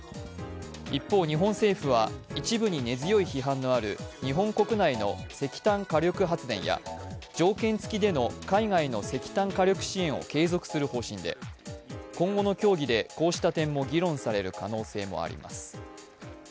一方、日本政府は一部に根強い批判のある日本国内の石炭火力発電や条件付きでの海外の石炭火力支援を継続する方針で今後の協議で、こうした点も議論される可能性もあります。